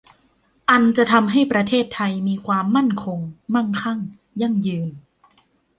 อันจะทำให้ประเทศไทยมีความมั่นคง มั่งคั่ง ยั่งยืน